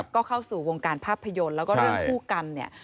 ก็เข้าสู่วงการภาพยนตร์แล้วก็เรื่องคู่กรรมเนี่ย